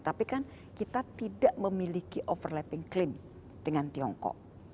tapi kan kita tidak memiliki overlapping claim dengan tiongkok